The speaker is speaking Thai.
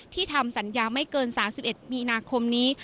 ทำสัญญาไม่เกิน๓๑มีนาคมนี้